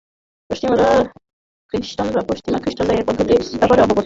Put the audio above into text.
পশ্চিমা খ্রিস্টানরা এই পদ্ধতির ব্যাপারে অবগত থাকলেও তারা এটি ব্যবহার করেনি।